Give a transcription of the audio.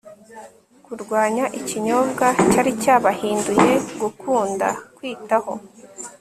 kurwanya ikinyobwa cyari cyabahinduye gukunda, kwitaho